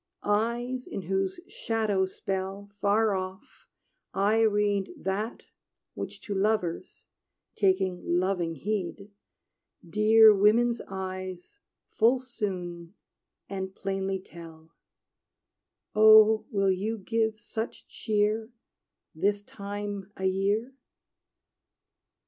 Eyes in whose shadow spell Far off I read That which to lovers taking loving heed Dear women's eyes full soon and plainly tell Oh, will you give such cheer This time a year?